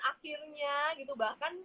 akhirnya gitu bahkan